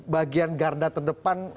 bagian garda terdepan